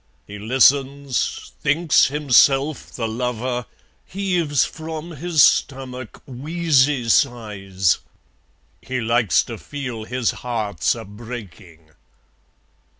He listens, thinks himself the lover, Heaves from his stomach wheezy sighs; He likes to feel his heart's a breaking.